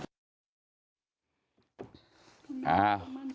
ครับ